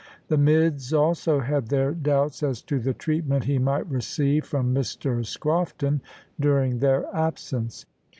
The mids also had their doubts as to the treatment he might receive from Mr Scrofton during their absence.